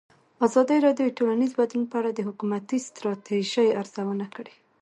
ازادي راډیو د ټولنیز بدلون په اړه د حکومتي ستراتیژۍ ارزونه کړې.